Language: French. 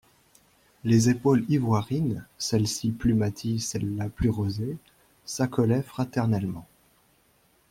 Les épaules ivoirines, celles-ci plus maties, celles-là plus rosées, s'accolaient fraternellement.